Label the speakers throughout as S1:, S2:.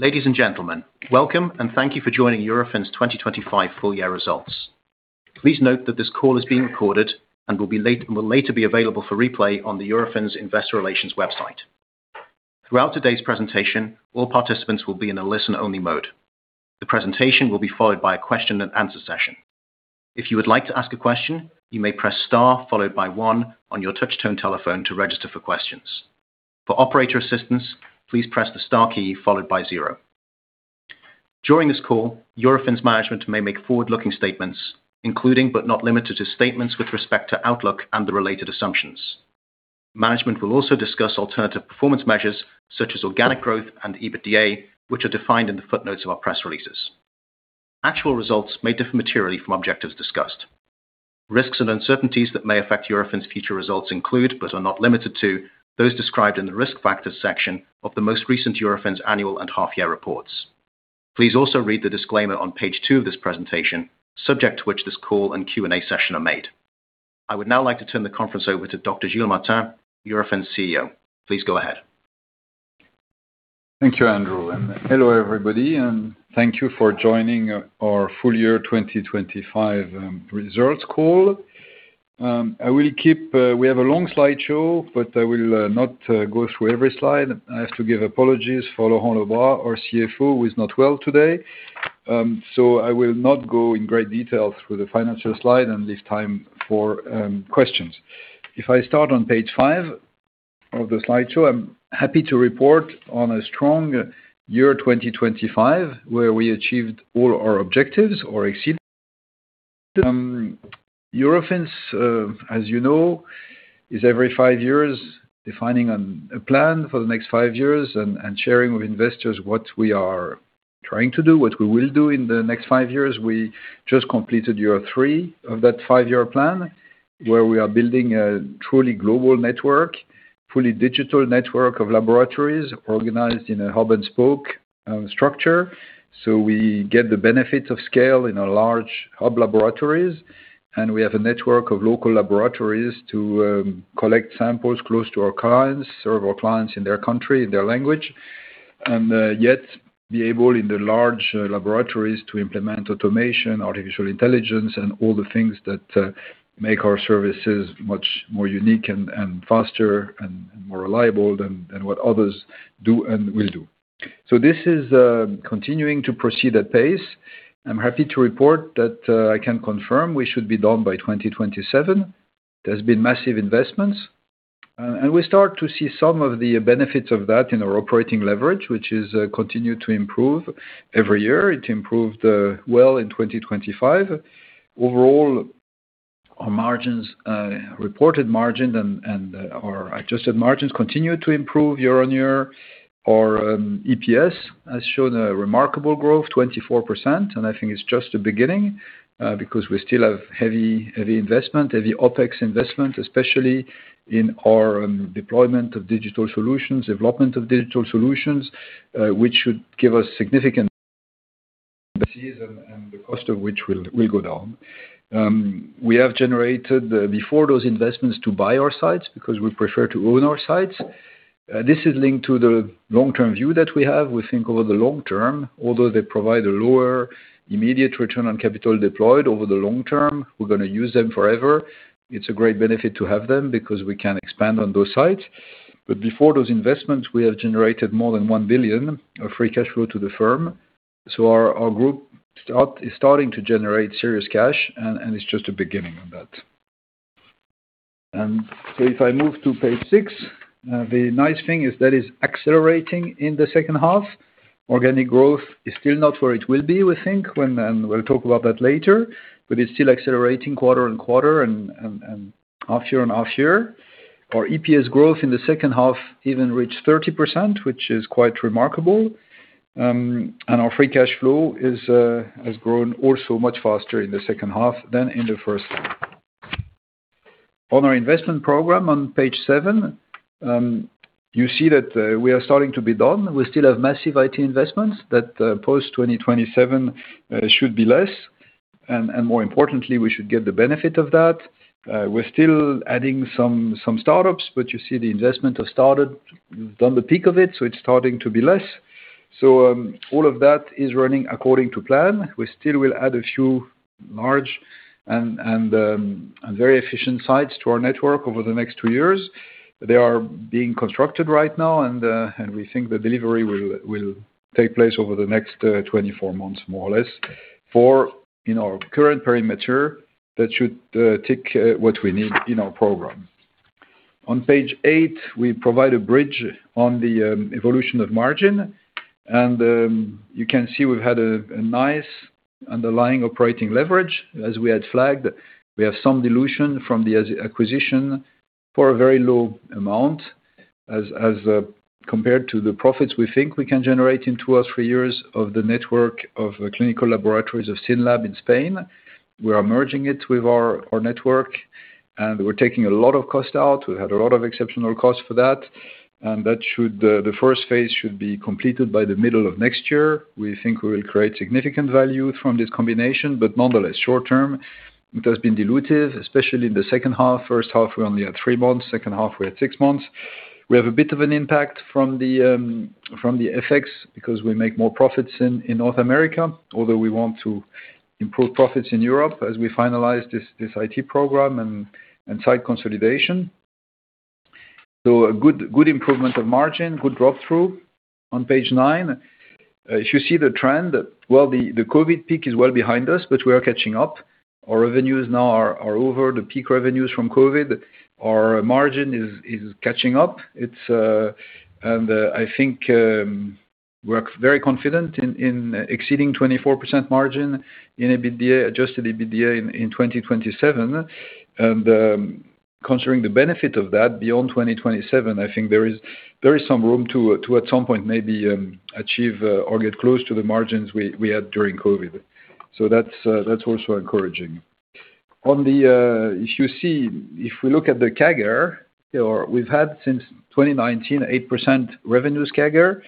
S1: Ladies and gentlemen, welcome, and thank you for joining Eurofins's 2025 full year results. Please note that this call is being recorded and will later be available for replay on the Eurofins Investor Relations website. Throughout today's presentation, all participants will be in a listen-only mode. The presentation will be followed by a question and answer session. If you would like to ask a question, you may press star followed by one on your touchtone telephone to register for questions. For operator assistance, please press the star key followed by zero. During this call, Eurofins management may make forward-looking statements, including, but not limited to, statements with respect to outlook and the related assumptions. Management will also discuss alternative performance measures such as organic growth and EBITDA, which are defined in the footnotes of our press releases. Actual results may differ materially from objectives discussed. Risks and uncertainties that may affect Eurofins future results include, but are not limited to, those described in the Risk Factors section of the most recent Eurofins annual and half year reports. Please also read the disclaimer on page two of this presentation, subject to which this call and Q&A session are made. I would now like to turn the conference over to Dr. Gilles Martin, Eurofins CEO. Please go ahead.
S2: Thank you, Andrew, and hello, everybody, and thank you for joining our full year 2025 results call. I will keep, we have a long slideshow, but I will not go through every slide. I have to give apologies for Laurent Lebras, our CFO, who is not well today. So I will not go in great detail through the financial slide and leave time for questions. If I start on page 5 of the slideshow, I'm happy to report on a strong year 2025, where we achieved all our objectives or exceeded. Eurofins, as you know, is every 5 years defining on a plan for the next 5 years and sharing with investors what we are trying to do, what we will do in the next 5 years. We just completed year 3 of that five-year plan, where we are building a truly global network, fully digital network of laboratories organized in a Hub and Spoke structure. So we get the benefit of scale in a large hub laboratories, and we have a network of local laboratories to collect samples close to our clients, serve our clients in their country, in their language, and yet be able, in the large laboratories, to implement automation, artificial intelligence, and all the things that make our services much more unique and faster and more reliable than what others do and will do. So this is continuing to proceed at pace. I'm happy to report that I can confirm we should be done by 2027. There's been massive investments, and we start to see some of the benefits of that in our operating leverage, which is continue to improve every year. It improved, well in 2025. Overall, our margins, reported margin and our adjusted margins continued to improve year-on-year. Our EPS has shown a remarkable growth, 24%, and I think it's just the beginning, because we still have heavy, heavy investment, heavy OpEx investment, especially in our deployment of digital solutions, development of digital solutions, which should give us significant season and the cost of which will go down. We have generated, before those investments to buy our sites, because we prefer to own our sites. This is linked to the long-term view that we have. We think over the long term, although they provide a lower immediate return on capital deployed over the long term, we're gonna use them forever. It's a great benefit to have them because we can expand on those sites. But before those investments, we have generated more than 1 billion of free cash flow to the firm, so our group is starting to generate serious cash, and it's just a beginning of that. And so if I move to page six, the nice thing is that is accelerating in the second half. Organic growth is still not where it will be, we think, and we'll talk about that later, but it's still accelerating quarter and quarter and half year on half year. Our EPS growth in the second half even reached 30%, which is quite remarkable. And our free cash flow is, has grown also much faster in the second half than in the first. On our investment program on page 7, you see that, we are starting to be done. We still have massive IT investments that, post 2027, should be less, and more importantly, we should get the benefit of that. We're still adding some startups, but you see the investment has started, we've done the peak of it, so it's starting to be less. So, all of that is running according to plan. We still will add a few large and very efficient sites to our network over the next two years. They are being constructed right now, and we think the delivery will take place over the next 24 months, more or less. In our current perimeter, that should take what we need in our program. On page eight, we provide a bridge on the evolution of margin, and you can see we've had a nice underlying operating leverage. As we had flagged, we have some dilution from the acquisition for a very low amount. As compared to the profits we think we can generate in two or three years of the network of clinical laboratories of SYNLAB in Spain, we are merging it with our network, and we're taking a lot of cost out. We had a lot of exceptional costs for that, and the first phase should be completed by the middle of next year. We think we will create significant value from this combination, but nonetheless, short term it has been dilutive, especially in the second half. First half, we only had three months, second half, we had six months. We have a bit of an impact from the FX, because we make more profits in North America, although we want to improve profits in Europe as we finalize this IT program and site consolidation. So a good improvement of margin, good drop-through. On page 9, if you see the trend, well, the COVID peak is well behind us, but we are catching up. Our revenues now are over the peak revenues from COVID. Our margin is catching up. It's and I think we're very confident in exceeding 24% margin in EBITDA, adjusted EBITDA in 2027. Considering the benefit of that beyond 2027, I think there is, there is some room to, to, at some point, maybe, achieve, or get close to the margins we, we had during COVID. So that's, that's also encouraging. On the, if you see, if we look at the CAGR, or we've had since 2019, 8% revenues CAGR,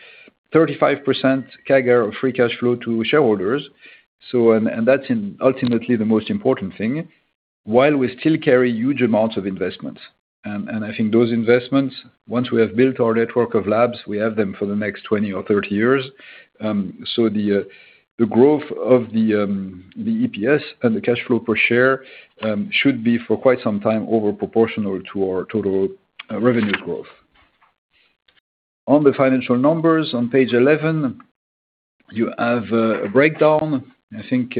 S2: 35% CAGR of free cash flow to shareholders. So, and, and that's ultimately the most important thing, while we still carry huge amounts of investments. And, and I think those investments, once we have built our network of labs, we have them for the next 20 or 30 years. So the, the growth of the, the EPS and the cash flow per share, should be for quite some time over proportional to our total, revenue growth. On the financial numbers, on page 11, you have a breakdown. I think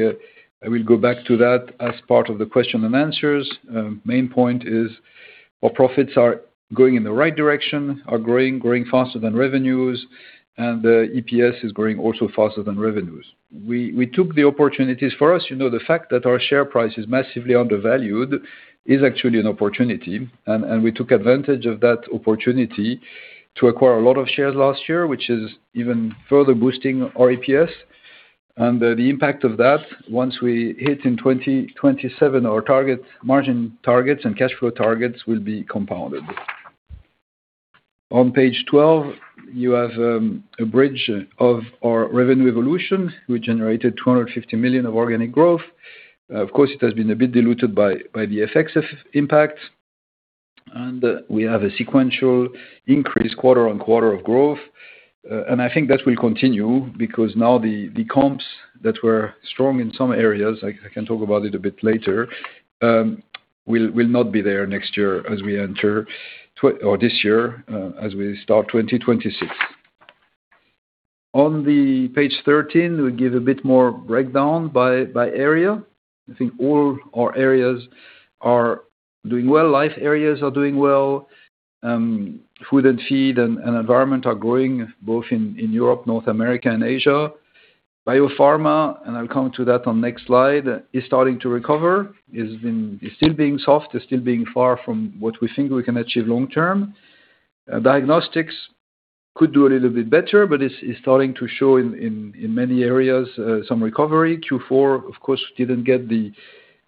S2: I will go back to that as part of the question and answers. Main point is our profits are going in the right direction, are growing, growing faster than revenues, and the EPS is growing also faster than revenues. We, we took the opportunities. For us, you know, the fact that our share price is massively undervalued is actually an opportunity, and, and we took advantage of that opportunity to acquire a lot of shares last year, which is even further boosting our EPS. The impact of that, once we hit in 2027, our target, margin targets and cash flow targets will be compounded. On page 12, you have a bridge of our revenue evolution. We generated 250 million of organic growth. Of course, it has been a bit diluted by the FX's impact, and we have a sequential increase quarter on quarter of growth. And I think that will continue because now the comps that were strong in some areas, I can talk about it a bit later, will not be there next year as we enter twenty twenty-five or this year, as we start 2026. On page 13, we give a bit more breakdown by area. I think all our areas are doing well. Life areas are doing well. Food and feed and environment are growing both in Europe, North America, and Asia. Biopharma, and I'll come to that on next slide, is starting to recover. It's been, it's still being soft, it's still being far from what we think we can achieve long term. Diagnostics could do a little bit better, but it's starting to show in many areas, some recovery. Q4, of course, didn't get the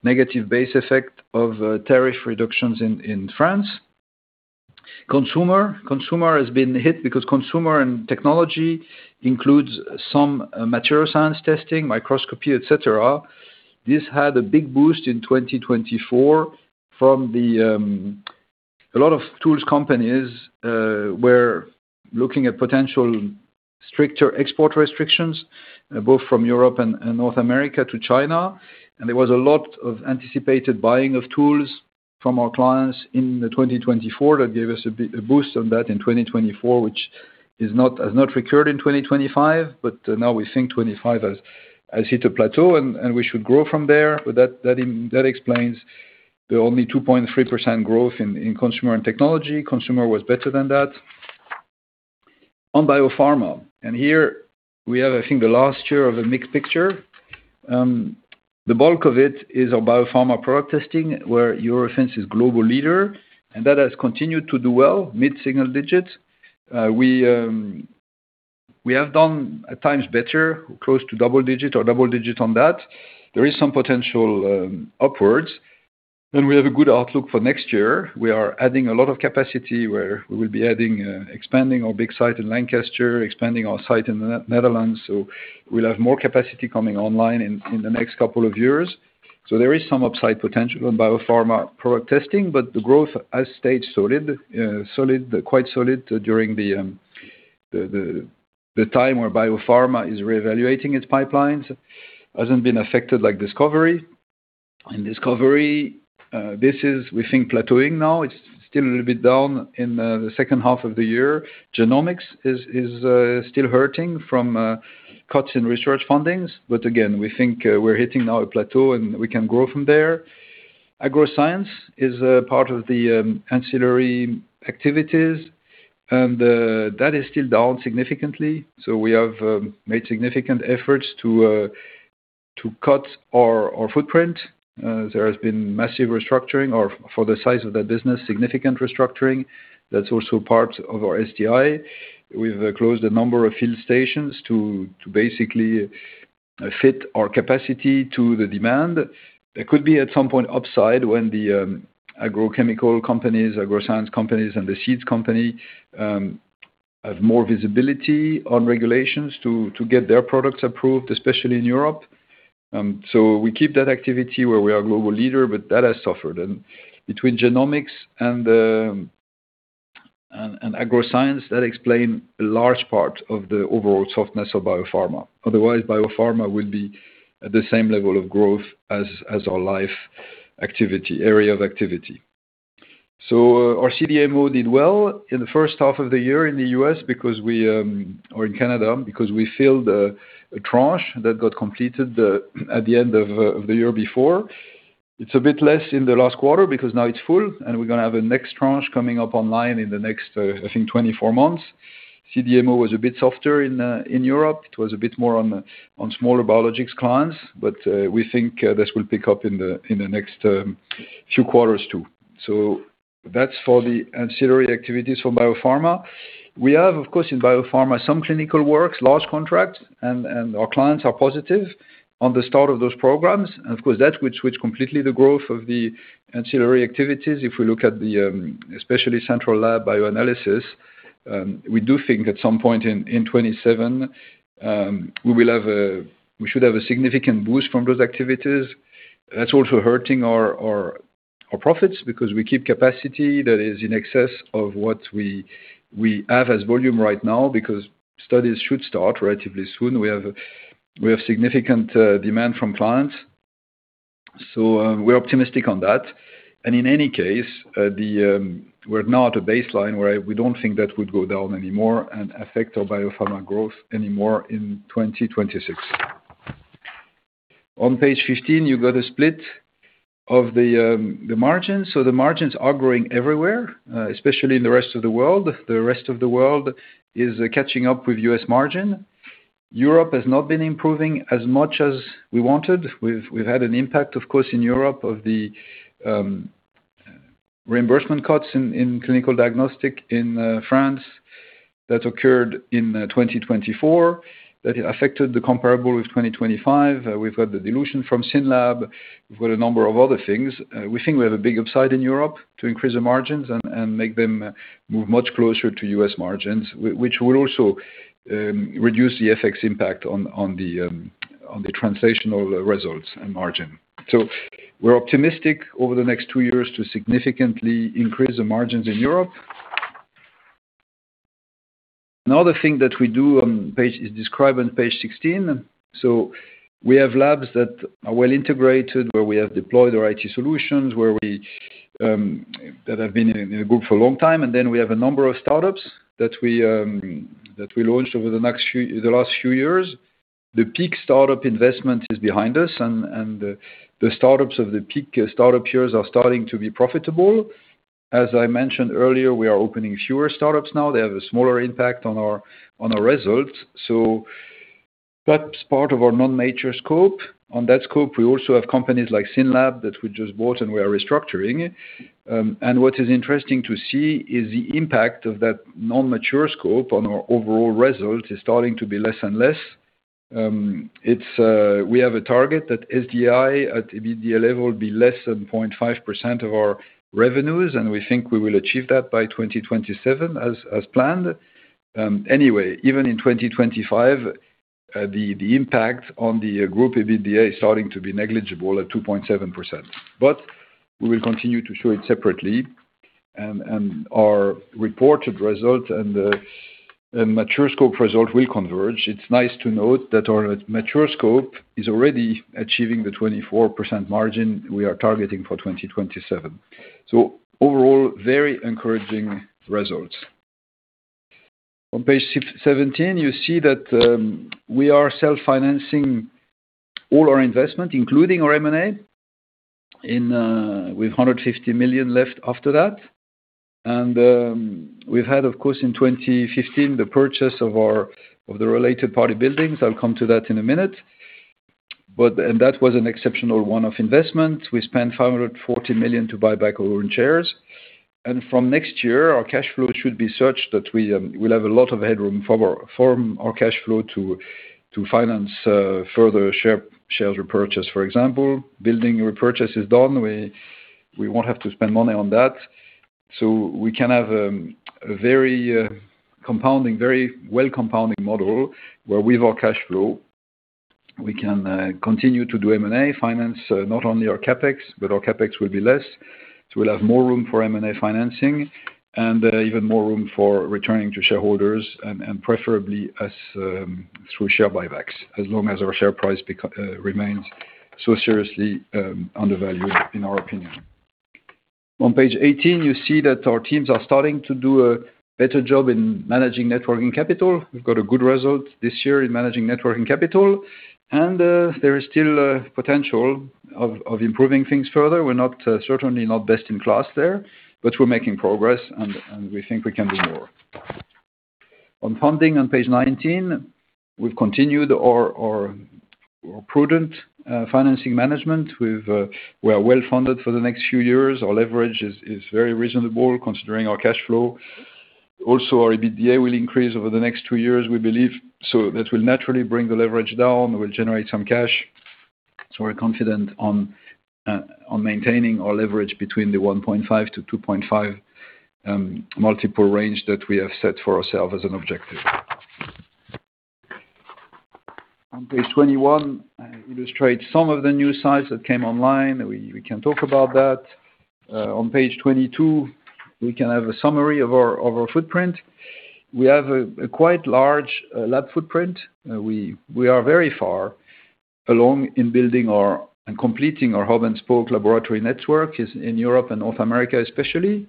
S2: negative base effect of tariff reductions in France. Consumer has been hit because Consumer and Technology includes some Material Science testing, microscopy, et cetera. This had a big boost in 2024 from a lot of tools companies were looking at potential stricter export restrictions both from Europe and North America to China. And there was a lot of anticipated buying of tools from our clients in the 2024. That gave us a bit a boost on that in 2024, which has not recurred in 2025, but now we think 25 has hit a plateau, and we should grow from there. But that explains the only 2.3% growth in Consumer and Technology. Consumer was better than that. On Biopharma, and here we have, I think, the last year of a mixed picture. The bulk of it is our Biopharma Product Testing, where Eurofins is global leader, and that has continued to do well, mid-single digits. We have done at times better, close to double-digit or double-digit on that. There is some potential upwards, and we have a good outlook for next year. We are adding a lot of capacity where we will be adding, expanding our big site in Lancaster, expanding our site in Netherlands, so we'll have more capacity coming online in the next couple of years. So there is some upside potential in biopharma product testing, but the growth has stayed solid, solid, quite solid during the time where biopharma is reevaluating its pipelines. Hasn't been affected like discovery. In discovery, this is, we think, plateauing now. It's still a little bit down in the second half of the year. Genomics is still hurting from cuts in research fundings, but again, we think, we're hitting now a plateau, and we can grow from there. Agroscience is a part of the ancillary activities, and that is still down significantly. So we have made significant efforts to cut our footprint. There has been massive restructuring or for the size of that business, significant restructuring. That's also part of our SDI. We've closed a number of field stations to basically fit our capacity to the demand. There could be, at some point, upside when the agrochemical companies, Agroscience companies and the seeds company have more visibility on regulations to get their products approved, especially in Europe. So we keep that activity where we are a global leader, but that has suffered. And between Genomics and Agroscience, that explain a large part of the overall softness of Biopharma. Otherwise, Biopharma will be at the same level of growth as our life activity, area of activity. So our CDMO did well in the first half of the year in the US because we or in Canada, because we filled a tranche that got completed at the end of the year before. It's a bit less in the last quarter because now it's full, and we're gonna have a next tranche coming up online in the next, I think 24 months. CDMO was a bit softer in Europe. It was a bit more on smaller biologics clients, but we think this will pick up in the next few quarters, too. So that's for the ancillary activities for biopharma. We have, of course, in biopharma, some clinical works, large contracts, and our clients are positive on the start of those programs. And of course, that would switch completely the growth of the ancillary activities. If we look at especially central lab bioanalysis, we do think at some point in 2027 we should have a significant boost from those activities. That's also hurting our profits, because we keep capacity that is in excess of what we have as volume right now, because studies should start relatively soon. We have significant demand from clients, so we're optimistic on that. And in any case, we're now at a baseline where we don't think that would go down anymore and affect our biopharma growth anymore in 2026. On page 15, you've got a split of the margins. So the margins are growing everywhere, especially in the rest of the world. The rest of the world is catching up with U.S. margin. Europe has not been improving as much as we wanted. We've had an impact, of course, in Europe, of the reimbursement cuts in clinical diagnostics in France. That occurred in 2024, that it affected the comparable with 2025. We've got the dilution from SYNLAB. We've got a number of other things. We think we have a big upside in Europe to increase the margins and make them move much closer to U.S. margins, which will also reduce the FX impact on the translational results and margin. So we're optimistic over the next two years to significantly increase the margins in Europe. Another thing that we do, page, is described on page 16. So we have labs that are well integrated, where we have deployed our IT solutions, where we that have been in the group for a long time. And then we have a number of startups that we that we launched over the next few, the last few years. The peak startup investment is behind us, and the startups of the peak startup years are starting to be profitable. As I mentioned earlier, we are opening fewer startups now. They have a smaller impact on our results, so that's part of our non-mature scope. On that scope, we also have companies like SYNLAB, that we just bought, and we are restructuring. And what is interesting to see is the impact of that non-mature scope on our overall result is starting to be less and less. We have a target that SDI at EBITDA level will be less than 0.5% of our revenues, and we think we will achieve that by 2027, as planned. Anyway, even in 2025, the impact on the group EBITDA is starting to be negligible at 2.7%. But we will continue to show it separately, and our reported result and the mature scope result will converge. It's nice to note that our mature scope is already achieving the 24% margin we are targeting for 2027. So overall, very encouraging results. On page 17, you see that we are self-financing all our investment, including our M&A, with 150 million left after that. And we've had, of course, in 2015, the purchase of our related party buildings. I'll come to that in a minute. But that was an exceptional one-off investment. We spent 540 million to buy back our own shares. From next year, our cash flow should be such that we will have a lot of headroom for our, from our cash flow to finance further shares repurchase, for example. Building repurchase is done, we won't have to spend money on that. So we can have a very compounding, very well compounding model, where with our cash flow, we can continue to do M&A, finance not only our CapEx, but our CapEx will be less. So we'll have more room for M&A financing and even more room for returning to shareholders and preferably through share buybacks, as long as our share price remains so seriously undervalued, in our opinion. On page 18, you see that our teams are starting to do a better job in managing Net Working Capital. We've got a good result this year in managing net working capital, and there is still potential of improving things further. We're certainly not best in class there, but we're making progress, and we think we can do more. On funding, on page 19, we've continued our prudent financing management. We are well funded for the next few years. Our leverage is very reasonable, considering our cash flow. Also, our EBITDA will increase over the next two years, we believe, so that will naturally bring the leverage down and will generate some cash. So we're confident on maintaining our leverage between the 1.5-2.5 multiple range that we have set for ourselves as an objective. On page 21, I illustrate some of the new sites that came online. We can talk about that. On page 22, we can have a summary of our footprint. We have a quite large lab footprint. We are very far along in building and completing our hub and spoke laboratory network in Europe and North America, especially.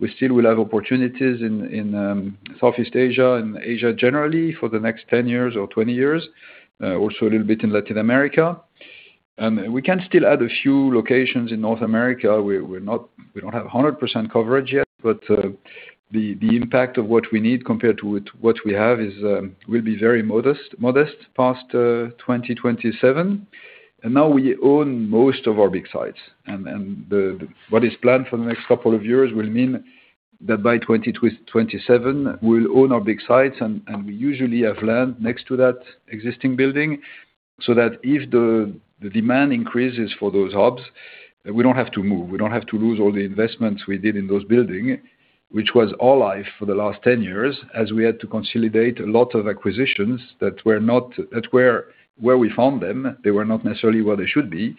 S2: We still will have opportunities in Southeast Asia and Asia generally for the next 10 years or 20 years, also a little bit in Latin America. And we can still add a few locations in North America. We're not—we don't have 100% coverage yet, but the impact of what we need compared to what we have is will be very modest past 2027. And now we own most of our big sites. And what is planned for the next couple of years will mean that by 2027, we'll own our big sites, and we usually have land next to that existing building, so that if the demand increases for those hubs, we don't have to move, we don't have to lose all the investments we did in those building. Which was our life for the last 10 years, as we had to consolidate a lot of acquisitions that were not where we found them, they were not necessarily where they should be,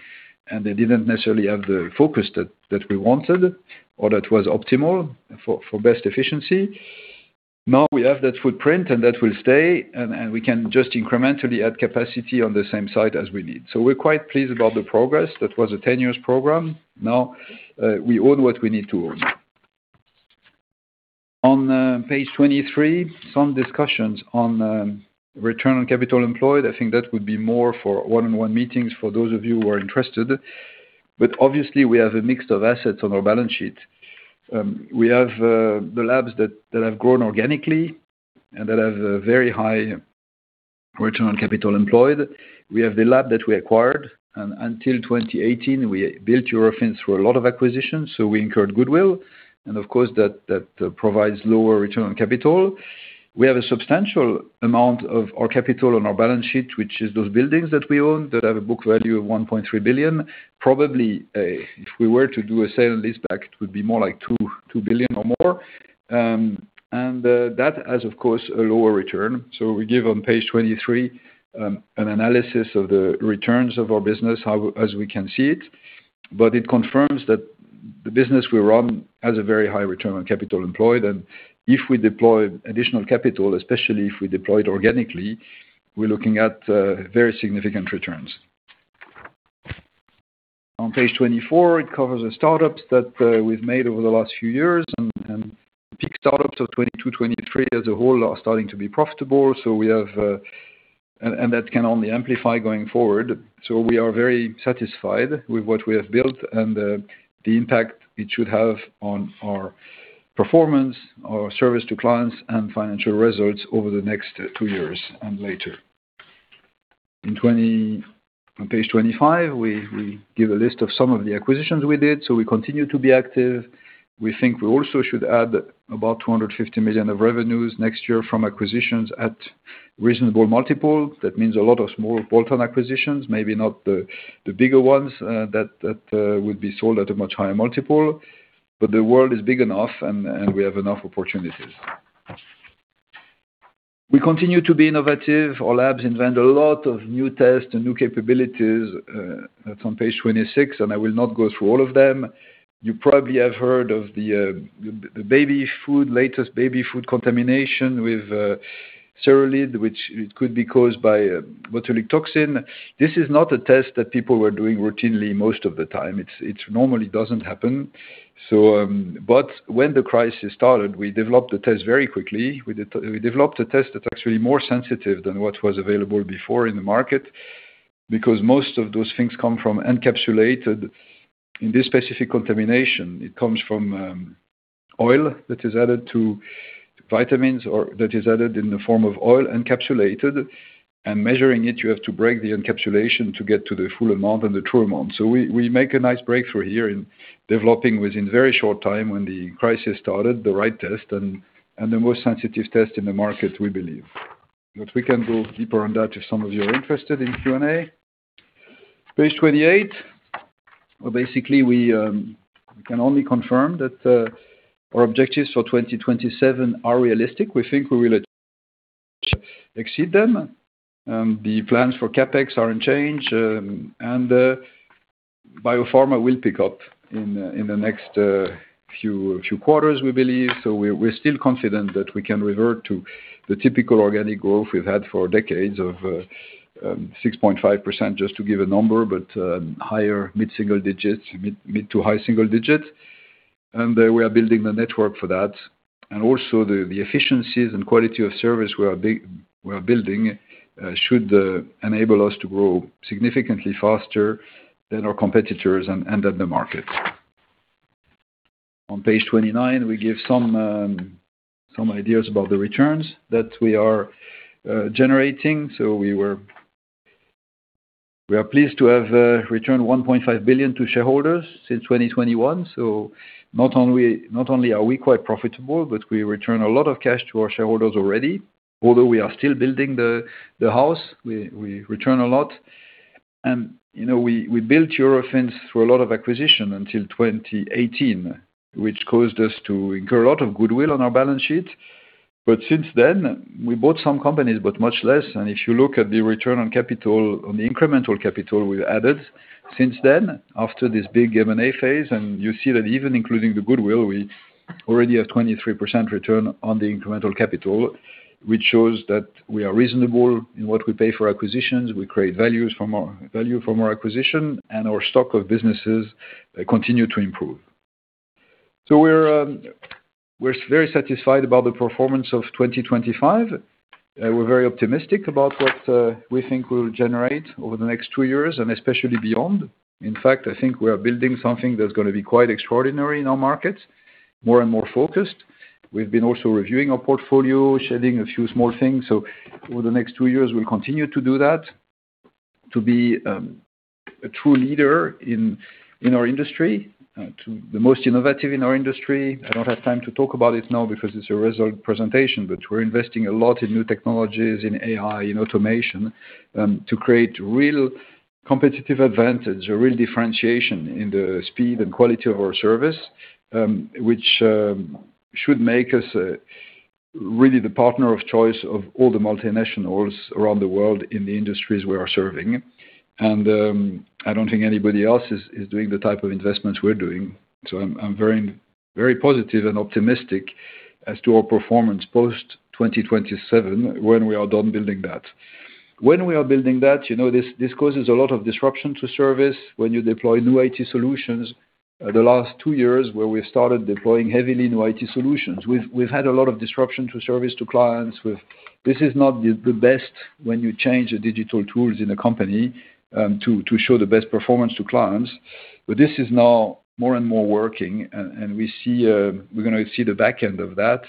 S2: and they didn't necessarily have the focus that we wanted or that was optimal for best efficiency. Now we have that footprint, and that will stay, and we can just incrementally add capacity on the same site as we need. So we're quite pleased about the progress. That was a 10-year program. Now, we own what we need to own. On page 23, some discussions on return on capital employed. I think that would be more for one-on-one meetings, for those of you who are interested. But obviously, we have a mix of assets on our balance sheet. We have the labs that have grown organically and that have a very high return on capital employed. We have the lab that we acquired, and until 2018, we built Eurofins through a lot of acquisitions, so we incurred goodwill, and of course, that provides lower return on capital. We have a substantial amount of our capital on our balance sheet, which is those buildings that we own, that have a book value of 1.3 billion. Probably, if we were to do a sale of this back, it would be more like 2 billion or more. That has, of course, a lower return. So we give on page 23 an analysis of the returns of our business, how, as we can see it, but it confirms that the business we run has a very high return on capital employed. If we deploy additional capital, especially if we deploy it organically, we're looking at very significant returns. On page 24, it covers the startups that we've made over the last few years, and peak startups of 2022, 2023 as a whole are starting to be profitable. That can only amplify going forward. So we are very satisfied with what we have built and, the impact it should have on our performance, our service to clients, and financial results over the next, two years and later. On page 25, we, we give a list of some of the acquisitions we did, so we continue to be active. We think we also should add about 250 million of revenues next year from acquisitions at reasonable multiple. That means a lot of small bolt-on acquisitions, maybe not the, the bigger ones, that, that, would be sold at a much higher multiple. But the world is big enough and, and we have enough opportunities. We continue to be innovative. Our labs invent a lot of new tests and new capabilities. That's on page 26, and I will not go through all of them. You probably have heard of the latest baby food contamination with cerulide, which could be caused by botulinum toxin. This is not a test that people were doing routinely most of the time. It normally doesn't happen. But when the crisis started, we developed a test very quickly. We developed a test that's actually more sensitive than what was available before in the market, because most of those things come from encapsulated... In this specific contamination, it comes from oil that is added to vitamins or that is added in the form of oil encapsulated, and measuring it, you have to break the encapsulation to get to the full amount and the true amount. So we make a nice breakthrough here in developing within a very short time, when the crisis started, the right test and the most sensitive test in the market, we believe. But we can go deeper on that if some of you are interested in Q&A. Page 28. Well, basically, we can only confirm that our objectives for 2027 are realistic. We think we will actually exceed them. The plans for CapEx are unchanged, and Biopharma will pick up in the next few quarters, we believe. So we're still confident that we can revert to the typical organic growth we've had for decades of 6.5%, just to give a number, but higher mid-single digits, mid to high single digits. And we are building the network for that. Also the efficiencies and quality of service we are building should enable us to grow significantly faster than our competitors and than the market. On page 29, we give some ideas about the returns that we are generating. We are pleased to have returned 1.5 billion to shareholders since 2021. So not only are we quite profitable, but we return a lot of cash to our shareholders already. Although we are still building the house, we return a lot. And you know, we built Eurofins through a lot of acquisition until 2018, which caused us to incur a lot of goodwill on our balance sheet. But since then, we bought some companies, but much less. And if you look at the return on capital, on the incremental capital we added since then, after this big M&A phase, and you see that even including the goodwill, we already have 23% return on the incremental capital, which shows that we are reasonable in what we pay for acquisitions. We create value from our acquisition, and our stock of businesses continue to improve. So we're very satisfied about the performance of 2025. We're very optimistic about what we think we'll generate over the next two years and especially beyond. In fact, I think we are building something that's gonna be quite extraordinary in our market, more and more focused. We've been also reviewing our portfolio, shedding a few small things. So over the next two years, we'll continue to do that, to be a true leader in our industry, to the most innovative in our industry. I don't have time to talk about it now because it's a result presentation, but we're investing a lot in new technologies, in AI, in automation, to create real competitive advantage or real differentiation in the speed and quality of our service, which should make us really the partner of choice of all the multinationals around the world in the industries we are serving. And I don't think anybody else is doing the type of investments we're doing, so I'm very, very positive and optimistic as to our performance post-2027, when we are done building that. When we are building that, you know, this causes a lot of disruption to service when you deploy new IT solutions. The last two years, where we started deploying heavily new IT solutions, we've had a lot of disruption to service to clients with... This is not the best when you change the digital tools in a company to show the best performance to clients. But this is now more and more working and we see we're gonna see the back end of that,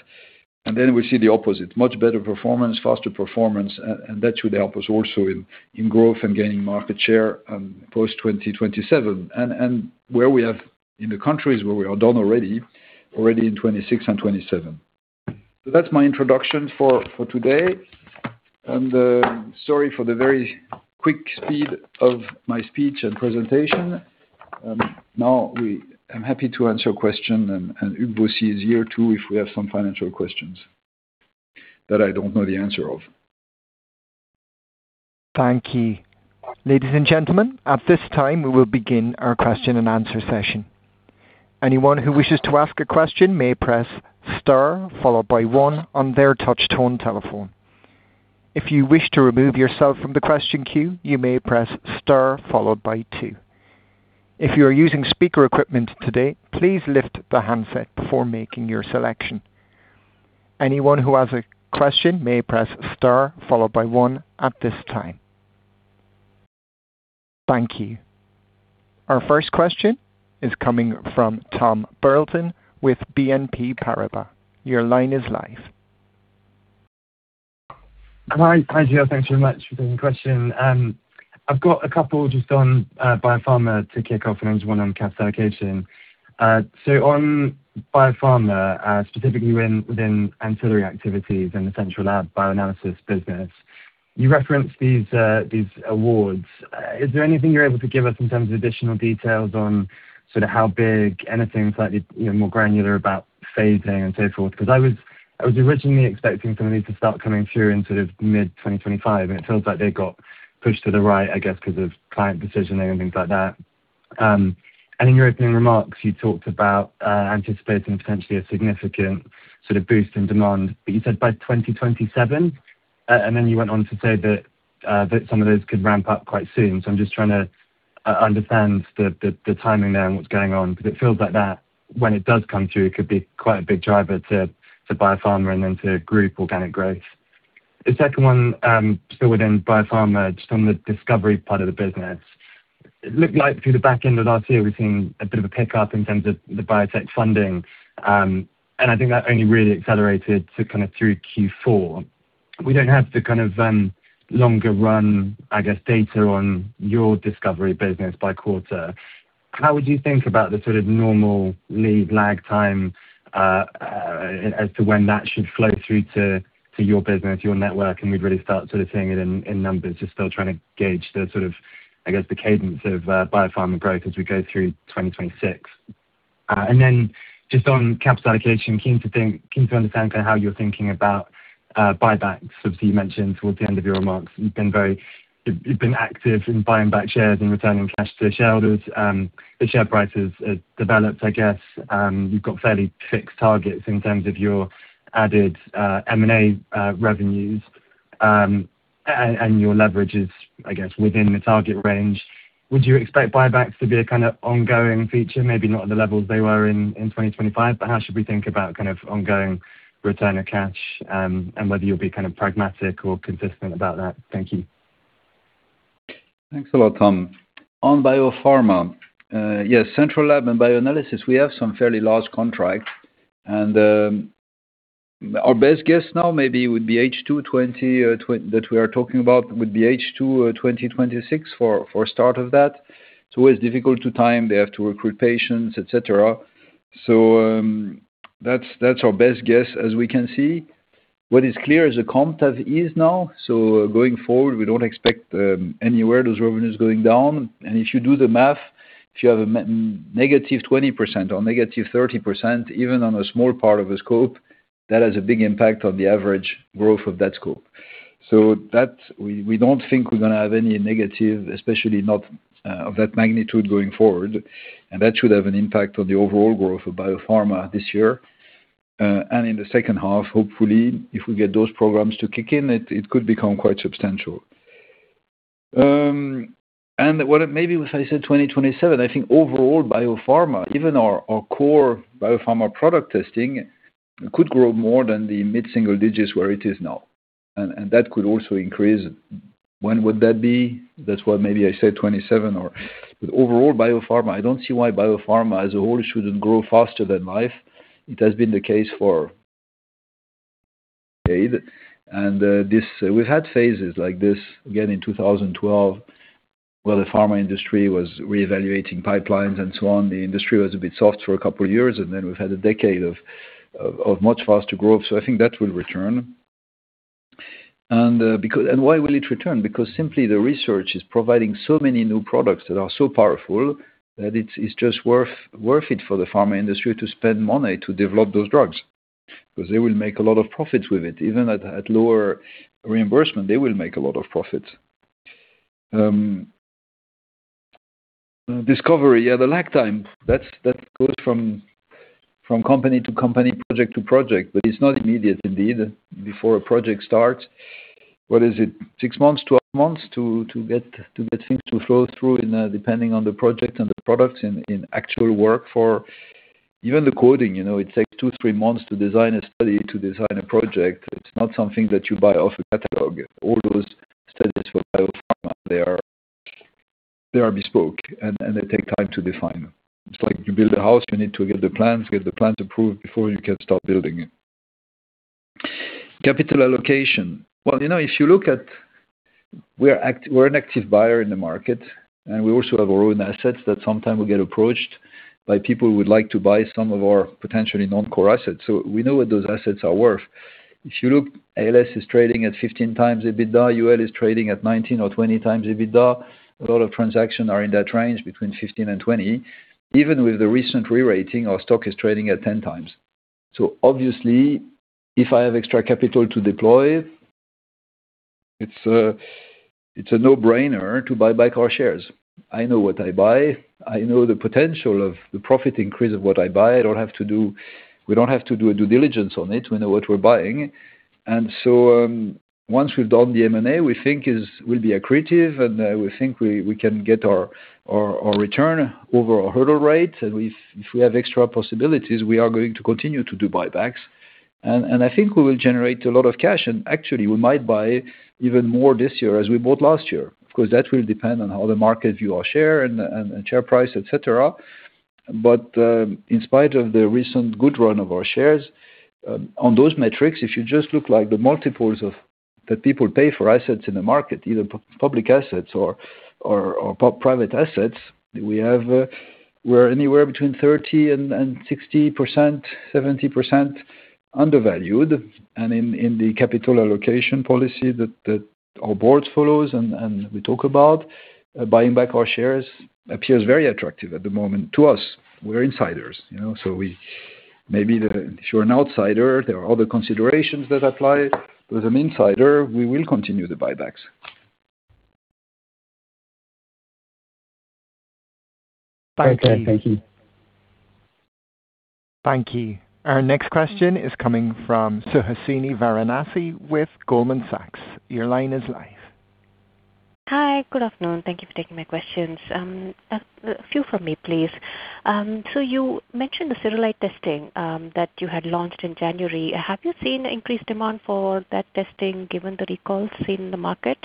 S2: and then we see the opposite. Much better performance, faster performance, and that should help us also in growth and gaining market share post 2027. And where we have, in the countries where we are done already in 2026 and 2027. So that's my introduction for today. Sorry for the very quick speed of my speech and presentation. Now, I'm happy to answer your question, and Hugues Vaussy is here, too, if we have some financial questions that I don't know the answer of.
S1: Thank you. Ladies and gentlemen, at this time, we will begin our question-and-answer session. Anyone who wishes to ask a question may press star, followed by one on their touch tone telephone. If you wish to remove yourself from the question queue, you may press star followed by two. If you are using speaker equipment today, please lift the handset before making your selection. Anyone who has a question may press star, followed by one at this time. Thank you. Our first question is coming from Tom Burlton with BNP Paribas. Your line is live.
S3: Hi. Hi, Gilles. Thanks very much for the question. I've got a couple just on biopharma to kick off and then one on capital allocation. So on biopharma, specifically within ancillary activities and the Central Lab bioanalysis business, you referenced these awards. Is there anything you're able to give us in terms of additional details on sort of how big, anything slightly, you know, more granular about phasing and so forth? 'Cause I was originally expecting some of these to start coming through in sort of mid-2025, and it feels like they got pushed to the right, I guess, 'cause of client decisioning and things like that. And in your opening remarks, you talked about anticipating potentially a significant sort of boost in demand, but you said by 2027, and then you went on to say that some of those could ramp up quite soon. So I'm just trying to understand the timing there and what's going on, because it feels like that when it does come through, it could be quite a big driver to biopharma and then to group organic growth. The second one, still within biopharma, just on the discovery part of the business. It looked like through the back end of last year, we've seen a bit of a pickup in terms of the biotech funding, and I think that only really accelerated to kind of through Q4. We don't have the kind of longer run, I guess, data on your discovery business by quarter. How would you think about the sort of normal lead lag time as to when that should flow through to, to your business, your network, and we'd really start sort of seeing it in, in numbers? Just still trying to gauge the sort of, I guess, the cadence of biopharma growth as we go through 2026. And then just on capital allocation, keen to think keen to understand kind of how you're thinking about buybacks. Obviously, you mentioned towards the end of your remarks, you've been very you've, you've been active in buying back shares and returning cash to shareholders. The share price has developed, I guess. You've got fairly fixed targets in terms of your added M&A revenues, and your leverage is, I guess, within the target range. Would you expect buybacks to be a kind of ongoing feature? Maybe not at the levels they were in 2025, but how should we think about kind of ongoing return of cash, and whether you'll be kind of pragmatic or consistent about that? Thank you.
S2: Thanks a lot, Tom. On biopharma, yes, Central Lab and Bioanalysis, we have some fairly large contracts, and, our best guess now maybe would be H2 2026 for start of that. So it's difficult to time, they have to recruit patients, et cetera. So, that's our best guess, as we can see. What is clear is the comp test is now, so going forward, we don't expect anywhere those revenues going down. And if you do the math, if you have a negative -20% or negative -30%, even on a small part of the scope, that has a big impact on the average growth of that scope. So that, we don't think we're gonna have any negative, especially not, of that magnitude going forward, and that should have an impact on the overall growth of biopharma this year. And in the second half, hopefully, if we get those programs to kick in, it could become quite substantial. And what it may be, as I said, 2027, I think overall, biopharma, even our core biopharma product testing, could grow more than the mid-single digits where it is now. And that could also increase. When would that be? That's why maybe I said 2027 or- but overall, biopharma, I don't see why biopharma as a whole shouldn't grow faster than life. It has been the case for decade, and we've had phases like this again in 2012, where the pharma industry was reevaluating pipelines and so on. The industry was a bit soft for a couple of years, and then we've had a decade of much faster growth. So I think that will return. Why will it return? Because simply the research is providing so many new products that are so powerful that it's just worth it for the pharma industry to spend money to develop those drugs. Because they will make a lot of profits with it. Even at lower reimbursement, they will make a lot of profits. Discovery, yeah, the lag time, that's that goes from company to company, project to project, but it's not immediate indeed, before a project starts. What is it? 6 months, 12 months to get things to flow through in, depending on the project and the products in actual work for even the coding, you know, it takes 2, 3 months to design a study, to design a project. It's not something that you buy off a catalog. All those studies for biopharma, they are bespoke, and they take time to define. It's like you build a house, you need to get the plans, get the plans approved before you can start building it. Capital allocation. Well, you know, if you look at we're an active buyer in the market, and we also have our own assets that sometimes we get approached by people who would like to buy some of our potentially non-core assets, so we know what those assets are worth. If you look, ALS is trading at 15x EBITDA, UL is trading at 19 or 20x EBITDA. A lot of transactions are in that range, between 15 and 20. Even with the recent rerating, our stock is trading at 10x. So obviously, if I have extra capital to deploy, it's a no-brainer to buy back our shares. I know what I buy. I know the potential of the profit increase of what I buy. We don't have to do a due diligence on it. We know what we're buying. And so, once we've done the M&A, we think will be accretive, and we think we can get our return over our hurdle rate. And if we have extra possibilities, we are going to continue to do buybacks. I think we will generate a lot of cash, and actually we might buy even more this year as we bought last year. Of course, that will depend on how the market view our share and share price, et cetera. But in spite of the recent good run of our shares, on those metrics, if you just look like the multiples of that people pay for assets in the market, either public assets or private assets, we're anywhere between 30% and 70% undervalued. And in the capital allocation policy that our board follows and we talk about, buying back our shares appears very attractive at the moment to us. We're insiders, you know, so we maybe the. If you're an outsider, there are other considerations that apply. As an insider, we will continue the buybacks.
S3: Thank you.
S2: Thank you.
S1: Thank you. Our next question is coming from Suhasini Varanasi with Goldman Sachs. Your line is live.
S4: Hi. Good afternoon. Thank you for taking my questions. A few from me, please. So you mentioned the Cerulide testing that you had launched in January. Have you seen increased demand for that testing, given the recalls in the market?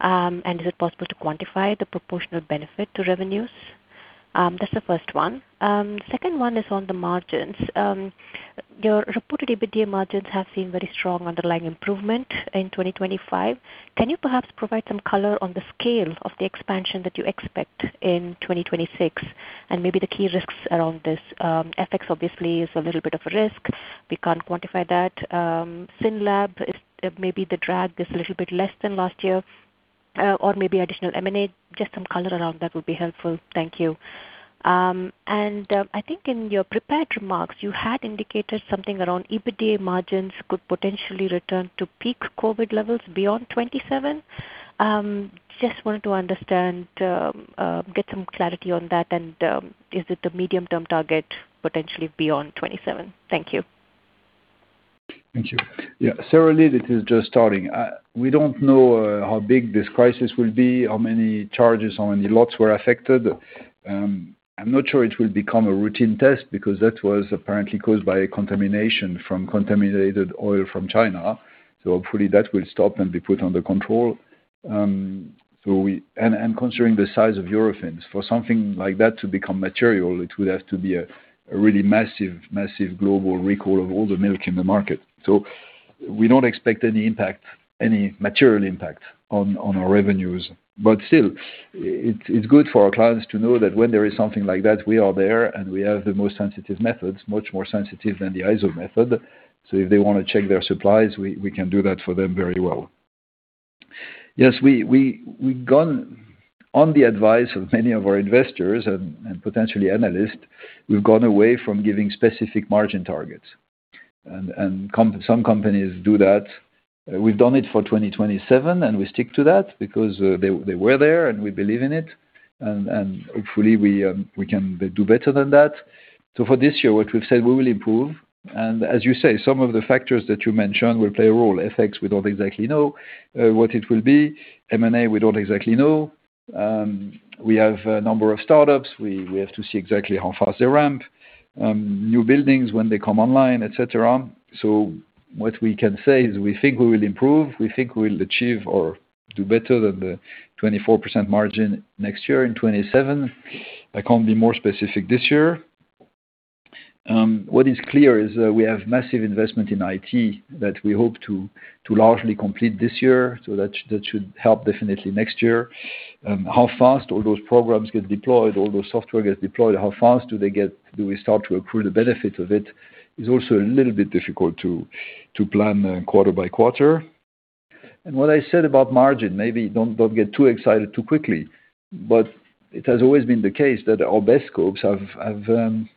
S4: And is it possible to quantify the proportional benefit to revenues? That's the first one. Second one is on the margins. Your reported EBITDA margins have seen very strong underlying improvement in 2025. Can you perhaps provide some color on the scale of the expansion that you expect in 2026, and maybe the key risks around this? FX obviously is a little bit of a risk. We can't quantify that. SYNLAB, if maybe the drag is a little bit less than last year, or maybe additional M&A. Just some color around that would be helpful. Thank you. I think in your prepared remarks, you had indicated something around EBITDA margins could potentially return to peak COVID levels beyond 2027. Just wanted to understand, get some clarity on that, and is it a medium-term target, potentially beyond 2027? Thank you.
S2: Thank you. Yeah, Cerulide, it is just starting. We don't know how big this crisis will be, how many charges, how many lots were affected. I'm not sure it will become a routine test because that was apparently caused by a contamination from contaminated oil from China. So hopefully that will stop and be put under control. And considering the size of Eurofins, for something like that to become material, it would have to be a really massive, massive global recall of all the milk in the market. We don't expect any impact, any material impact on our revenues. But still, it's good for our clients to know that when there is something like that, we are there, and we have the most sensitive methods, much more sensitive than the ISO method. So if they wanna check their supplies, we can do that for them very well. Yes, we've gone on the advice of many of our investors and potentially analysts, we've gone away from giving specific margin targets, and some companies do that. We've done it for 2027, and we stick to that because they were there, and we believe in it. And hopefully we can do better than that. So for this year, what we've said, we will improve, and as you say, some of the factors that you mentioned will play a role. FX, we don't exactly know what it will be. M&A, we don't exactly know. We have a number of startups. We have to see exactly how fast they ramp. New buildings, when they come online, et cetera. So what we can say is we think we will improve, we think we'll achieve or do better than the 24% margin next year in 2027. I can't be more specific this year. What is clear is we have massive investment in IT that we hope to largely complete this year, so that should help definitely next year. How fast all those programs get deployed, all those software gets deployed, how fast do we start to accrue the benefits of it is also a little bit difficult to plan quarter by quarter. What I said about margin, maybe don't get too excited too quickly. But it has always been the case that our best scopes have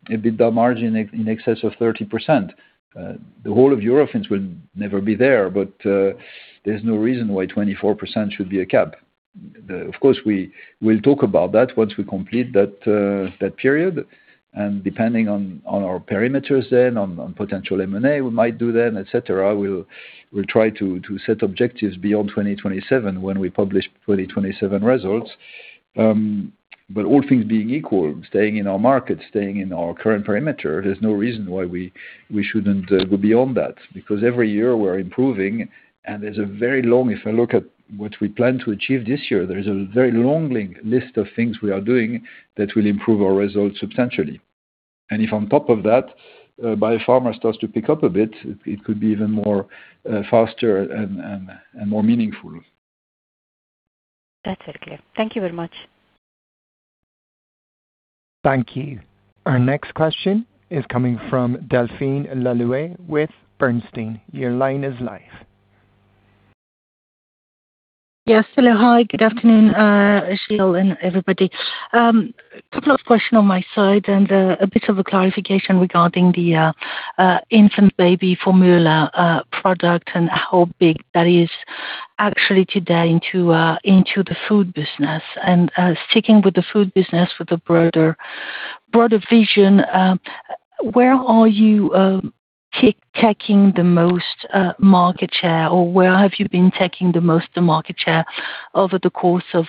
S2: EBITDA margin in excess of 30%. The whole of Eurofins will never be there, but there's no reason why 24% should be a cap. Of course, we will talk about that once we complete that period. Depending on our perimeters then, on potential M&A we might do then, et cetera, we'll try to set objectives beyond 2027 when we publish 2027 results. But all things being equal, staying in our market, staying in our current perimeter, there's no reason why we shouldn't go beyond that. Because every year we're improving, and there's a very long list of things we are doing that will improve our results substantially. And if on top of that, biopharma starts to pick up a bit, it could be even more faster and more meaningful.
S4: That's very clear. Thank you very much.
S1: Thank you. Our next question is coming from Delphine Le Louët with Bernstein. Your line is live.
S5: Yes. Hello, hi, good afternoon, Gilles and everybody. Couple of question on my side and a bit of a clarification regarding the infant baby formula product and how big that is actually today into into the food business. And sticking with the food business, with the broader, broader vision, where are you taking the most market share, or where have you been taking the most the market share over the course of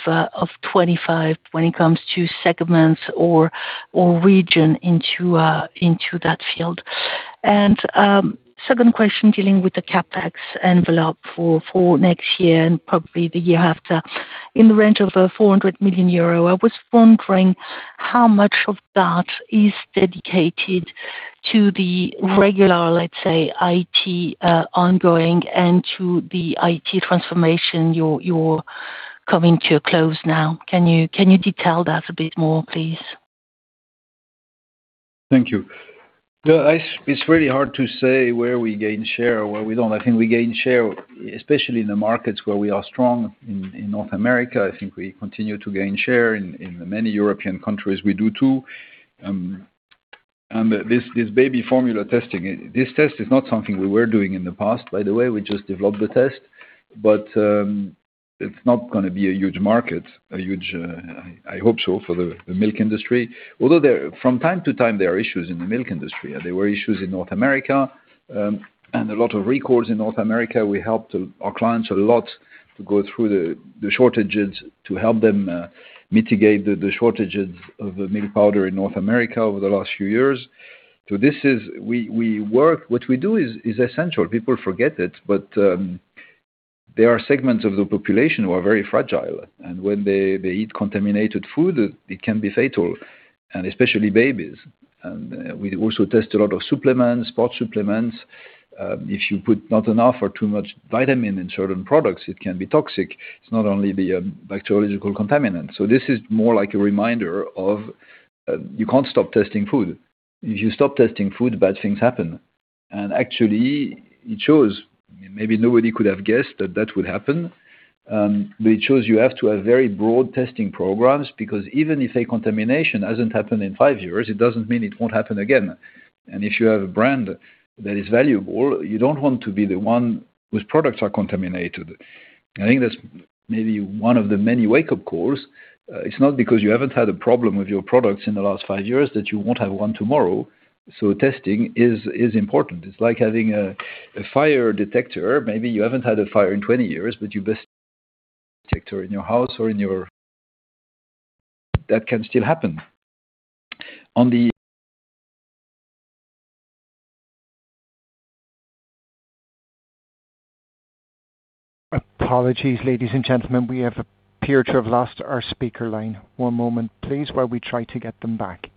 S5: 25, when it comes to segments or region into into that field? Second question, dealing with the CapEx envelope for next year and probably the year after, in the range of 400 million euro, I was wondering how much of that is dedicated to the regular, let's say, IT ongoing and to the IT transformation you're coming to a close now. Can you detail that a bit more, please?
S2: Thank you. Well, it's really hard to say where we gain share or where we don't. I think we gain share, especially in the markets where we are strong. In North America, I think we continue to gain share. In the many European countries, we do too. And this baby formula testing, this test is not something we were doing in the past, by the way. We just developed the test. But, it's not gonna be a huge market. I hope so for the milk industry. Although from time to time, there are issues in the milk industry, and there were issues in North America, and a lot of recalls in North America. We helped our clients a lot to go through the shortages, to help them mitigate the shortages of the milk powder in North America over the last few years. So this is what we do is essential. People forget it, but there are segments of the population who are very fragile, and when they eat contaminated food, it can be fatal, and especially babies. And we also test a lot of supplements, sport supplements. If you put not enough or too much vitamin in certain products, it can be toxic. It's not only the bacteriological contaminant. So this is more like a reminder of you can't stop testing food. If you stop testing food, bad things happen. And actually, it shows. Maybe nobody could have guessed that that would happen, but it shows you have to have very broad testing programs, because even if a contamination hasn't happened in five years, it doesn't mean it won't happen again. And if you have a brand that is valuable, you don't want to be the one whose products are contaminated. I think that's maybe one of the many wake-up calls. It's not because you haven't had a problem with your products in the last five years, that you won't have one tomorrow. So testing is important. It's like having a fire detector. Maybe you haven't had a fire in 20 years, but you best detector in your house or in your. That can still happen. On the-
S1: Apologies, ladies and gentlemen, we have appeared to have lost our speaker line. One moment, please, while we try to get them back.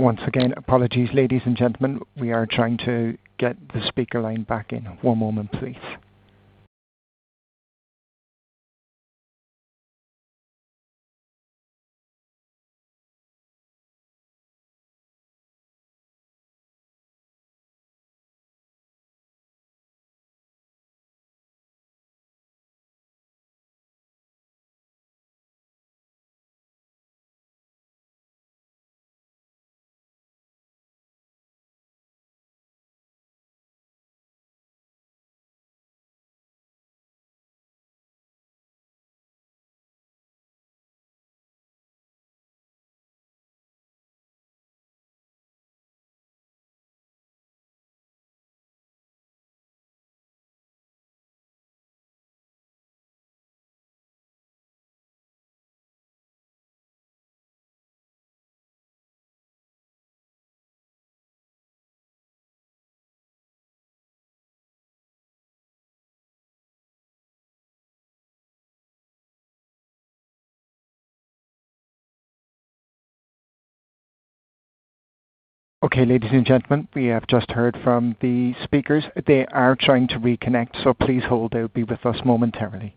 S1: Once again, apologies, ladies and gentlemen. We are trying to get the speaker line back in. One moment, please. Okay, ladies and gentlemen, we have just heard from the speakers. They are trying to reconnect, so please hold. They'll be with us momentarily.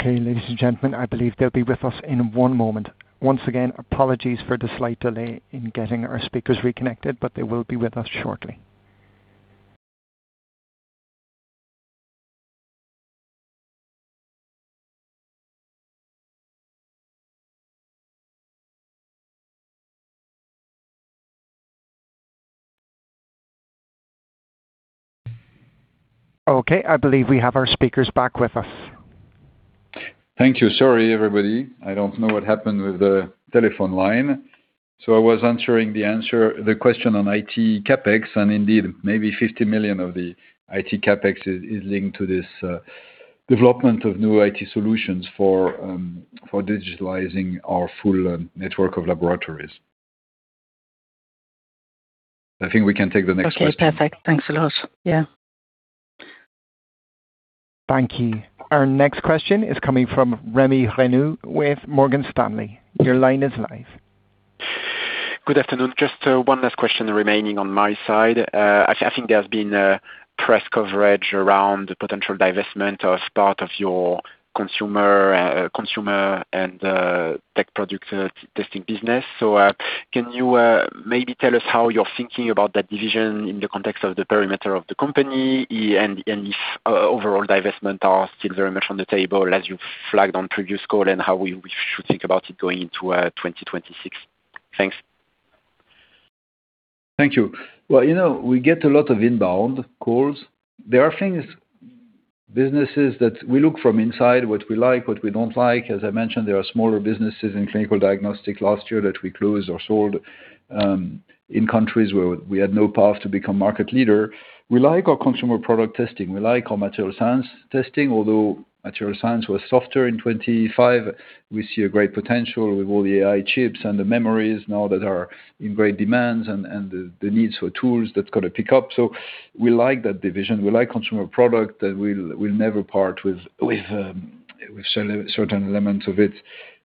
S1: Okay, ladies and gentlemen, I believe they'll be with us in one moment. Once again, apologies for the slight delay in getting our speakers reconnected, but they will be with us shortly. Okay, I believe we have our speakers back with us.
S2: Thank you. Sorry, everybody. I don't know what happened with the telephone line. So I was answering the question on IT CapEx, and indeed, maybe 50 million of the IT CapEx is linked to this development of new IT solutions for digitalizing our full network of laboratories. I think we can take the next question.
S5: Okay, perfect. Thanks a lot. Yeah.
S1: Thank you. Our next question is coming from Rémy Renou with Morgan Stanley. Your line is live.
S6: Good afternoon. Just one last question remaining on my side. I think there's been a press coverage around the potential divestment as part of your consumer and tech product testing business. So, can you maybe tell us how you're thinking about that division in the context of the perimeter of the company, and if overall divestment are still very much on the table as you flagged on previous call, and how we should think about it going into 2026? Thanks.
S2: Thank you. Well, you know, we get a lot of inbound calls. There are things, businesses that we look from inside, what we like, what we don't like. As I mentioned, there are smaller businesses in clinical diagnostics last year that we closed or sold in countries where we had no path to become market leader. We like our consumer product testing. We like our material science testing, although material science was softer in 2025, we see a great potential with all the AI chips and the memories now that are in great demand and the needs for tools, that's gonna pick up. So we like that division. We like consumer product, and we'll never part with certain elements of it.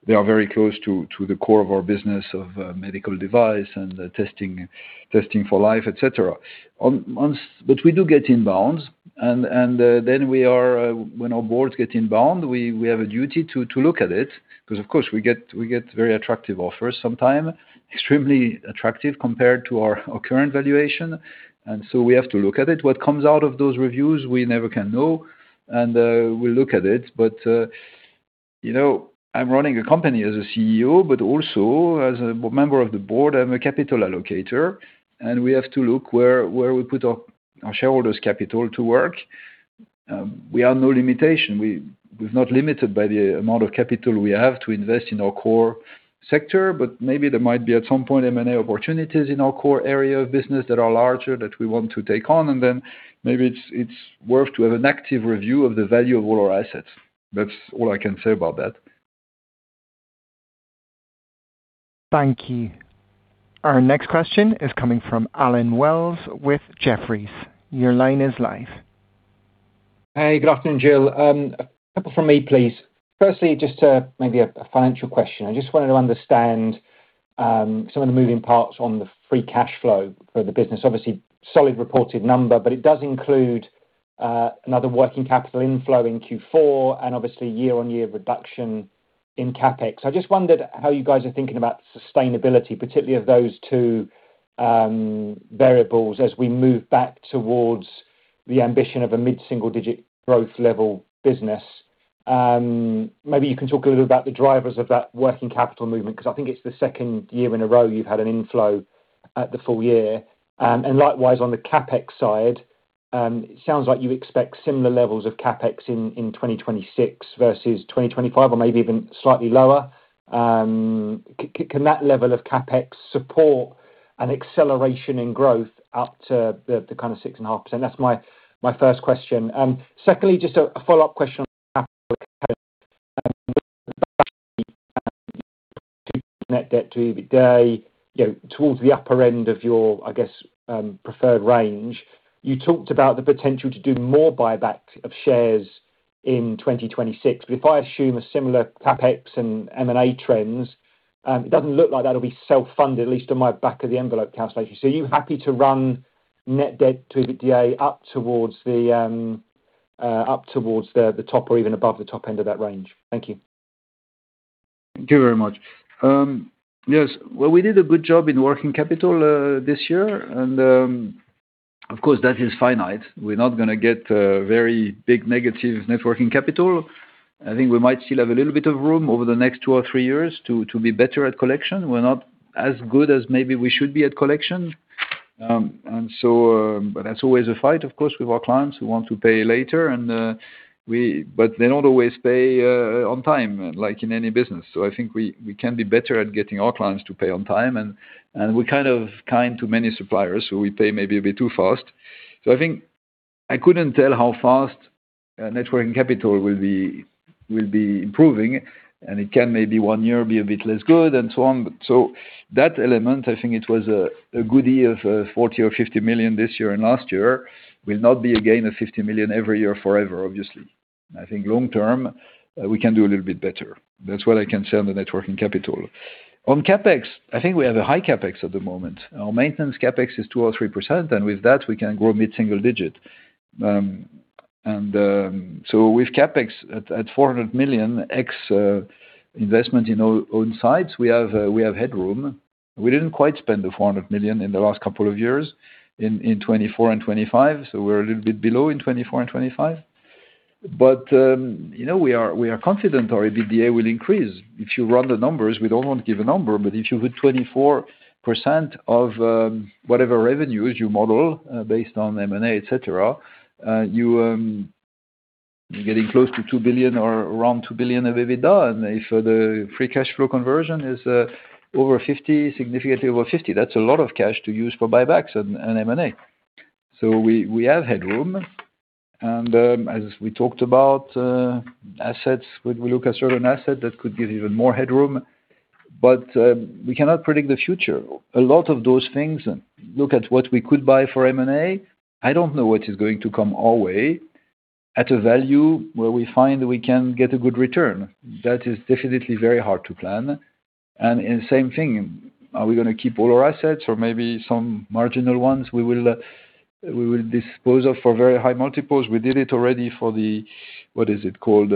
S2: They are very close to the core of our business of medical device and the testing for life, et cetera. But we do get inbounds, and then we are, when our board gets inbound, we have a duty to look at it, 'cause of course, we get very attractive offers sometimes, extremely attractive compared to our current valuation, and so we have to look at it. What comes out of those reviews, we never can know, and we look at it, but you know, I'm running a company as a CEO, but also as a board member of the board, I'm a capital allocator, and we have to look where we put our shareholders' capital to work. We are no limitation. We're not limited by the amount of capital we have to invest in our core sector, but maybe there might be, at some point, M&A opportunities in our core area of business that are larger, that we want to take on, and then maybe it's worth to have an active review of the value of all our assets. That's all I can say about that.
S1: Thank you. Our next question is coming from Allen Wells with Jefferies. Your line is live.
S7: Hey, good afternoon, Gilles. A couple from me, please. Firstly, just to maybe a financial question. I just wanted to understand some of the moving parts on the free cash flow for the business. Obviously, solid reported number, but it does include another working capital inflow in Q4, and obviously year-on-year reduction in CapEx. I just wondered how you guys are thinking about sustainability, particularly of those two variables, as we move back towards the ambition of a mid-single digit growth level business. Maybe you can talk a little about the drivers of that working capital movement, 'cause I think it's the second year in a row you've had an inflow at the full year. And likewise, on the CapEx side, it sounds like you expect similar levels of CapEx in 2026 versus 2025, or maybe even slightly lower. Can that level of CapEx support an acceleration in growth up to the kind of 6.5%? That's my first question. Secondly, just a follow-up question. Net debt to EBITDA, you know, towards the upper end of your, I guess, preferred range. You talked about the potential to do more buyback of shares in 2026, but if I assume a similar CapEx and M&A trends, it doesn't look like that'll be self-funded, at least on my back of the envelope calculation. So are you happy to run net debt to EBITDA up towards the top or even above the top end of that range? Thank you.
S2: Thank you very much. Yes, well, we did a good job in Working Capital, this year, and, of course, that is finite. We're not gonna get a very big negative Net Working Capital. I think we might still have a little bit of room over the next two or three years to be better at collection. We're not as good as maybe we should be at collection. And so, but that's always a fight, of course, with our clients who want to pay later, and, but they don't always pay on time, like in any business. So I think we can be better at getting our clients to pay on time, and, and we're kind of kind to many suppliers, so we pay maybe a bit too fast. So I think I couldn't tell how fast net working capital will be improving, and it can maybe one year be a bit less good, and so on. But so that element, I think it was a good year of 40 million or 50 million this year, and last year, will not be again a 50 million every year forever, obviously. I think long term, we can do a little bit better. That's what I can say on the net working capital. On CapEx, I think we have a high CapEx at the moment. Our maintenance CapEx is 2 or 3%, and with that, we can grow mid-single digit. And so with CapEx at 400 million EUR, investment in our own sites, we have headroom. We didn't quite spend the 400 million in the last couple of years, in 2024 and 2025, so we're a little bit below in 2024 and 2025. But, you know, we are confident our EBITDA will increase. If you run the numbers, we don't want to give a number, but if you put 24% of whatever revenues you model, based on M&A, et cetera, you're getting close to 2 billion or around 2 billion of EBITDA, and if the free cash flow conversion is over 50, significantly over 50, that's a lot of cash to use for buybacks and M&A. So we have headroom, and, as we talked about, assets when we look at certain assets, that could give even more headroom. But, we cannot predict the future. A lot of those things, look at what we could buy for M&A, I don't know what is going to come our way at a value where we find we can get a good return. That is definitely very hard to plan. And same thing, are we gonna keep all our assets or maybe some marginal ones? We will, we will dispose of for very high multiples. We did it already for the... What is it called?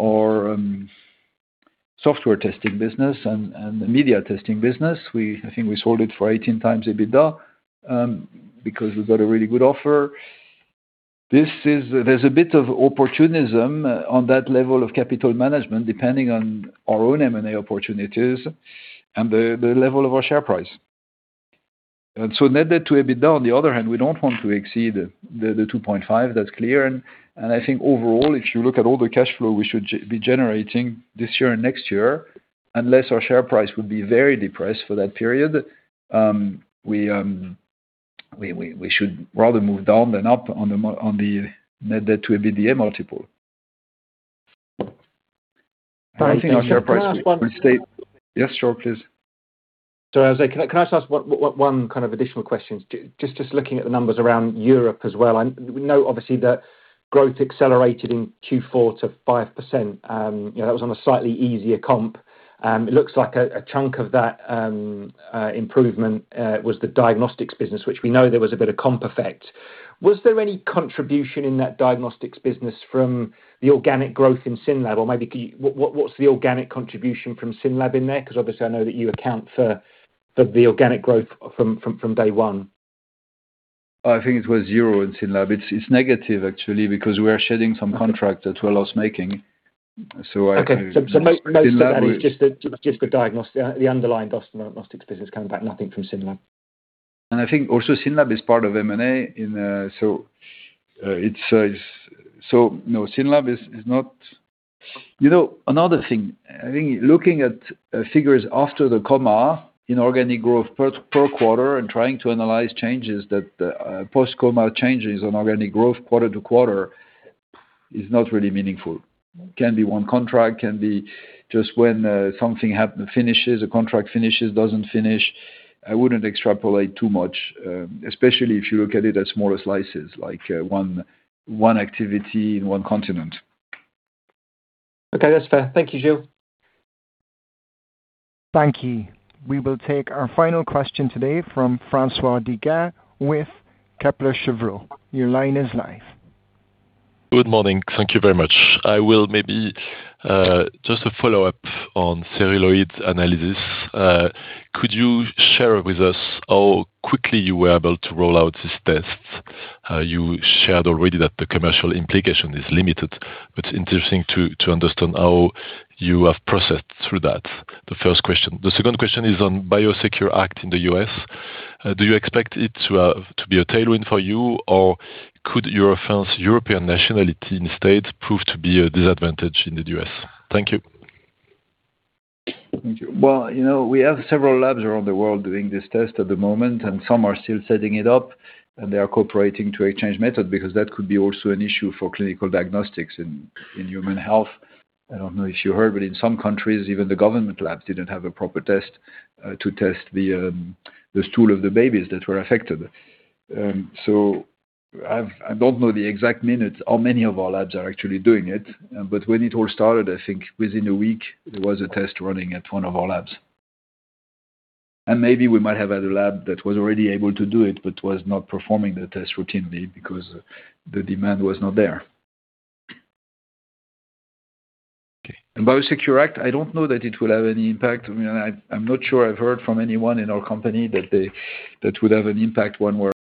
S2: Our software testing business and the media testing business. I think we sold it for 18 times EBITDA, because we got a really good offer. There's a bit of opportunism on that level of capital management, depending on our own M&A opportunities and the level of our share price. And so net debt to EBITDA, on the other hand, we don't want to exceed the 2.5. That's clear, and I think overall, if you look at all the cash flow we should be generating this year and next year, unless our share price would be very depressed for that period, we should rather move down than up on the net debt to EBITDA multiple. I think our share price-
S7: Can I ask one-
S2: Yes, sure, please.
S7: So I'll say, can I just ask one kind of additional question? Just looking at the numbers around Europe as well, and we know obviously that growth accelerated in Q4 to 5%. You know, that was on a slightly easier comp. It looks like a chunk of that improvement was the diagnostics business, which we know there was a bit of comp effect. Was there any contribution in that diagnostics business from the organic growth in SYNLAB? Or maybe can you... What's the organic contribution from SYNLAB in there? 'Cause obviously, I know that you account for the organic growth from day one.
S2: I think it was zero in SYNLAB. It's, it's negative, actually, because we are shedding some contract that we're loss-making. So I-
S7: Okay. So, most of that-
S2: Synlab-
S7: is just the diagnostic, the underlying diagnostics business coming back, nothing from SYNLAB.
S2: I think also SYNLAB is part of M&A in, so, it's so, no, SYNLAB is not... You know, another thing, I think looking at figures after the comma in organic growth per quarter and trying to analyze changes that post-comma changes on organic growth quarter to quarter is not really meaningful. Can be one contract, can be just when something finishes, a contract finishes, doesn't finish. I wouldn't extrapolate too much, especially if you look at it as smaller slices, like one activity in one continent.
S7: Okay, that's fair. Thank you, Gilles.
S1: Thank you. We will take our final question today from François Digard with Kepler Cheuvreux. Your line is live.
S8: Good morning. Thank you very much. I will maybe just a follow-up on Cerulide analysis. Could you share with us how quickly you were able to roll out this test? You shared already that the commercial implication is limited, but it's interesting to understand how you have processed through that. The first question. The second question is on BIOSECURE Act in the US. Do you expect it to be a tailwind for you, or could your French-European nationality in the States prove to be a disadvantage in the US? Thank you.
S2: Thank you. Well, you know, we have several labs around the world doing this test at the moment, and some are still setting it up, and they are cooperating to exchange method because that could be also an issue for clinical diagnostics in human health. I don't know if you heard, but in some countries, even the government labs didn't have a proper test to test the stool of the babies that were affected. I don't know the exact minutes, how many of our labs are actually doing it. But when it all started, I think within a week, there was a test running at one of our labs. And maybe we might have had a lab that was already able to do it, but was not performing the test routinely because the demand was not there. Okay. BIOSECURE Act, I don't know that it will have any impact. I mean, I'm not sure I've heard from anyone in our company that would have an impact one way or.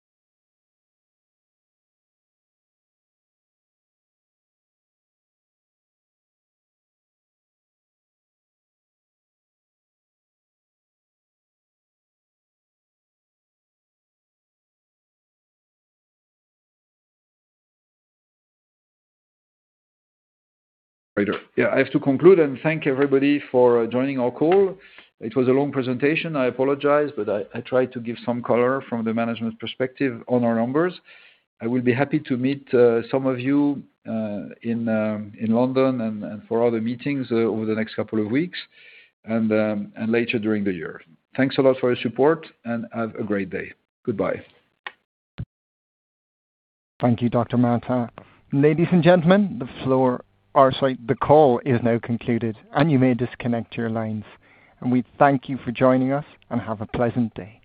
S2: Yeah, I have to conclude and thank everybody for joining our call. It was a long presentation, I apologize, but I tried to give some color from the management perspective on our numbers. I will be happy to meet some of you in London and for other meetings over the next couple of weeks, and later during the year. Thanks a lot for your support, and have a great day. Goodbye.
S1: Thank you, Dr. Martin. Ladies and gentlemen, the floor, or sorry, the call is now concluded, and you may disconnect your lines. We thank you for joining us, and have a pleasant day.